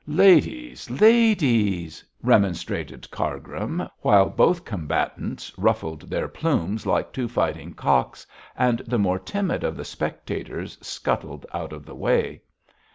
'Ladies! ladies!' remonstrated Cargrim, while both combatants ruffled their plumes like two fighting cocks, and the more timid of the spectators scuttled out of the way.